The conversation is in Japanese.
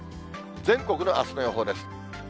全国のあすの予報です。